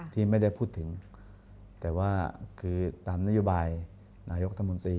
ที่ไม่ได้พูดถึงแต่ว่าคือตามนโยบายนายกรัฐมนตรี